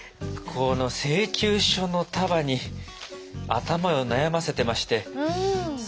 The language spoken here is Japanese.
この請求書の束に頭を悩ませてまして。